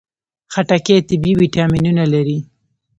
خټکی طبیعي ویټامینونه لري.